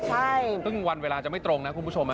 ใช่คุณผู้ชมพึ่งวันเวลาจะไม่ตรงนะคุณผู้ชม